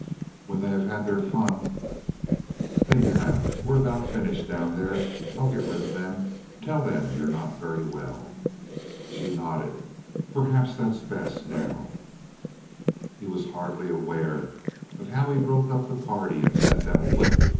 "When they have had their fun " "They have. We're about finished down there. I'll get rid of them tell them you're not very well " She nodded. "Perhaps that's best now " He was hardly aware of how he broke up the party and sent them away.